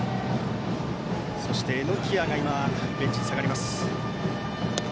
そして榎谷がベンチに下がります。